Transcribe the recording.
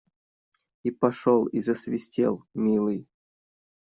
И пошел и засвистел, милый.